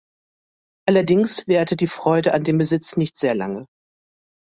Allerdings währte die Freude an dem Besitz nicht sehr lange.